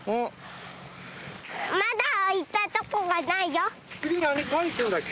まだあいたとこがないよ。